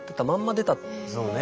そうね。